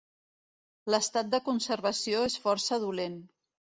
L'estat de conservació es força dolent.